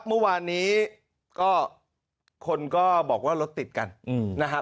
เมื่อวานนี้ก็คนก็บอกว่ารถติดกันนะครับ